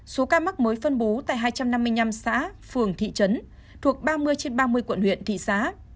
số ca mắc mới phân bố tại hai trăm năm mươi năm xã phường thị trấn thuộc ba mươi trên ba mươi quận huyện thị xã